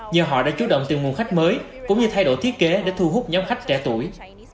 nhờ họ đã chú động tìm nguồn khách mới cũng như thay đổi thiết kế để thu hút nhóm khách trẻ tuổi